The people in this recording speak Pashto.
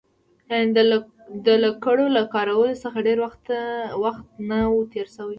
یعنې د لکړو له کارولو څخه ډېر وخت نه و تېر شوی.